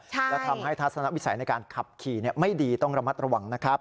และทำให้ทัศนวิสัยในการขับขี่ไม่ดีต้องระมัดระวังนะครับ